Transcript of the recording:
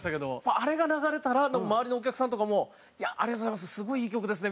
あれが流れたら周りのお客さんとかも「ありがとうございます。すごいいい曲ですね」